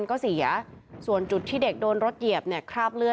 ขอบคุณครับ